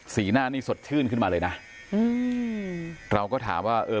หน้านี่สดชื่นขึ้นมาเลยนะอืมเราก็ถามว่าเออ